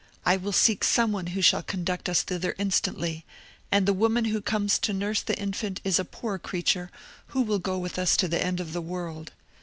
I will seek some one who shall conduct us thither instantly; and the woman who comes to nurse the infant is a poor creature, who will go with us to the end of the world.